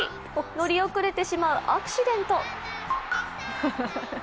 乗り遅れてしまうアクシデント。